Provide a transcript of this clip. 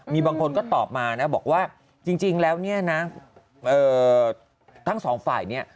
มีบางคนก็ตอบมานะบอกว่าจริงแล้วเนี่ยนะทั้งสองฝ่ายเนี่ย